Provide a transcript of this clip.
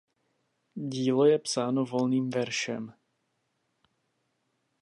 Dílo je psáno volným veršem.